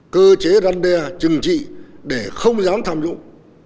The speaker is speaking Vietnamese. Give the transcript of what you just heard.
cơ chế răn đe chừng trị để không dám tham dụng